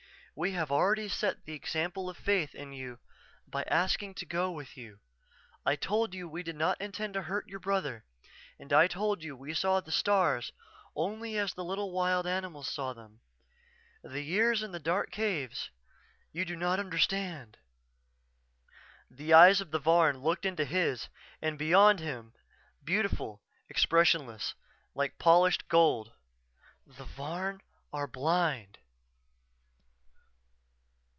We have already set the example of faith in you by asking to go with you. I told you we did not intend to hurt your brother and I told you we saw the stars only as the little wild animals saw them. The years in the dark caves you do not understand _" The eyes of the Varn looked into his and beyond him; beautiful, expressionless, like polished gold. "_The Varn are blind.